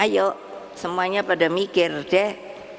ayo semuanya pada mikir dek